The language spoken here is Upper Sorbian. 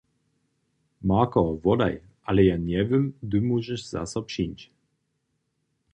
Marko, wodaj, ale ja njewěm, hdy móžeš zaso přińć.